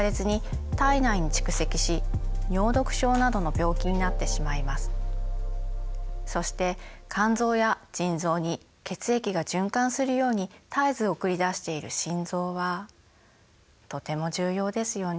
肝臓がはたらいていたとしてもそして肝臓や腎臓に血液が循環するように絶えず送り出している心臓はとても重要ですよね。